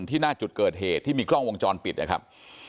หน้าจุดเกิดเหตุที่มีกล้องวงจรปิดนะครับ